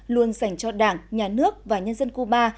luôn dành cho đảng nhà nước và nhân dân cuba